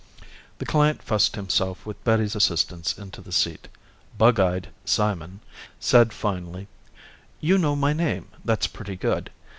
The client fussed himself with Betty's assistance into the seat, bug eyed Simon, said finally, "You know my name, that's pretty good.